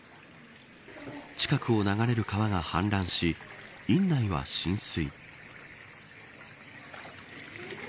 近くを流れる川が氾濫し院内は浸水。